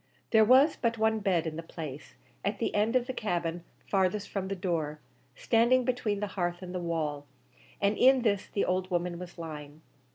There was but one bed in the place, at the end of the cabin farthest from the door, standing between the hearth and the wall, and in this the old woman was lying.